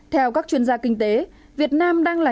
theo các chuyên gia kinh tế việt nam đang là